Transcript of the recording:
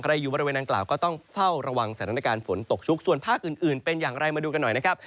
อยู่บริเวณนางกล่าวก็ต้องเฝ้าระวังสถานการณ์ฝนตกชุกส่วนภาคอื่นเป็นอย่างไรมาดูกันหน่อยนะครับ